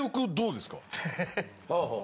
ああ。